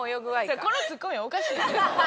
このツッコミおかしいって。